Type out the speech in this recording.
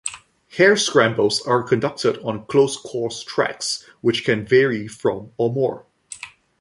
Hare scrambles are conducted on closed course tracks which can vary from or more.